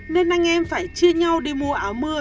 nên anh em phải chia nhau đi mua áo mưa